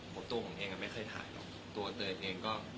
ตัวของเองไม่เคยถ่ายหรอก